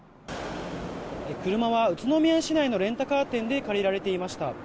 車は宇都宮市内のレンタカー店で借りられていました。